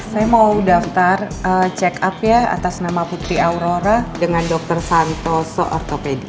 saya mau daftar check up ya atas nama putri aurora dengan dr santoso ortopedi